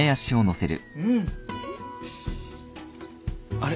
あれ？